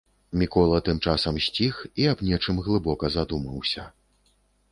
Мікола тым часам сціх і аб нечым глыбока задумаўся.